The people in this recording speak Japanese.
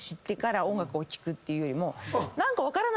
ていうよりも。